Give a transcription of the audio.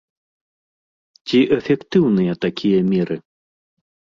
Ці эфектыўныя такія меры?